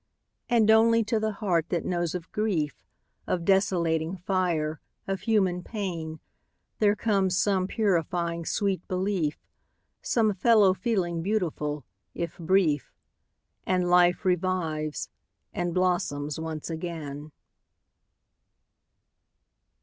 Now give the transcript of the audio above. And only to the heart that knows of grief, Of desolating fire, of human pain, There comes some purifying sweet belief, Some fellow feeling beautiful, if brief. And life revives, and blossoms once again.